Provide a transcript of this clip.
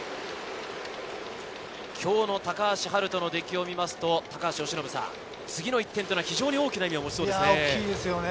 今日の高橋遥人の出来を見ると、由伸さん、次の１点は非常に大きな意味を持ちそうですね。